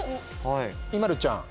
ＩＭＡＬＵちゃん。